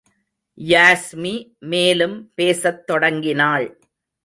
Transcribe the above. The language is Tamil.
யாஸ்மி மேலும் பேசத் தொடங்கினாள்.